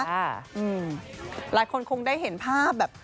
หลายคนคงได้เห็นภาพแบบ